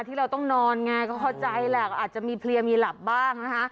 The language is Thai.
พี่ค่ะพี่ค่ะพี่พี่พี่ค่ะพี่ค่ะ